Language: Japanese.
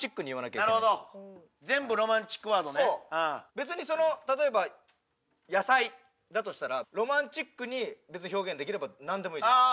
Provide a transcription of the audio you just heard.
別にその例えば野菜だとしたらロマンチックに表現できればなんでもいいです。